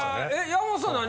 山本さん何？